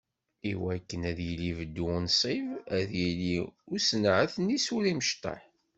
I wakken ad yili beddu unṣib, ad d-yili usenɛet n yisura imecṭaḥ.